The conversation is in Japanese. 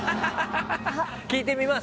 聞いてみます？